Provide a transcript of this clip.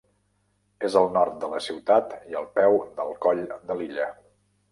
És al nord de la ciutat i al peu del Coll de Lilla.